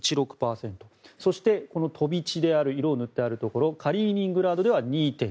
そして、飛び地である色が塗ってあるところカリーニングラードでは２．５６％。